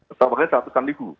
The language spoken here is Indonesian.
atau mungkin seratus